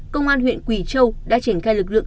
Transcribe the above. công an huyện quỳ châu đã triển khai lực lượng